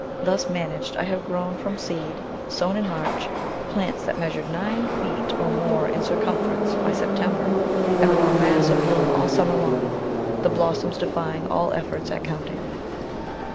Thus managed I have grown, from seed sown in March, plants that measured nine feet or more in circumference by September and were a mass of bloom all summer long, the blossoms defying all ef forts at counting.